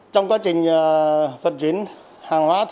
trong quá trình vận chuyển hàng hóa